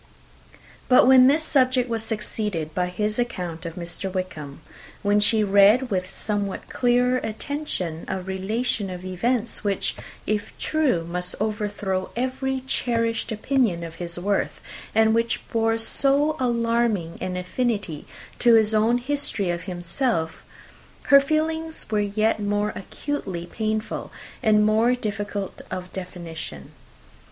But when this subject was succeeded by his account of Mr. Wickham when she read, with somewhat clearer attention, a relation of events which, if true, must overthrow every cherished opinion of his worth, and which bore so alarming an affinity to his own history of himself her feelings were yet more acutely painful and more difficult of definition.